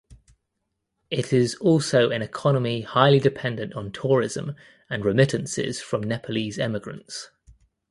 It is also an economy highly dependent on tourism and remittances from Nepalese emigrants.